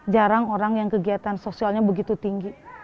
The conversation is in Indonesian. jarang orang yang kegiatan sosialnya begitu tinggi